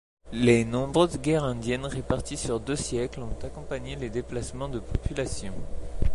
Les nombreuses guerres indiennes réparties sur deux siècles ont accompagné les déplacements de population.